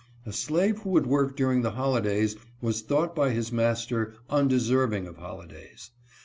A slave who would work during the holidays was thought by his mas ter undeserving of holidays.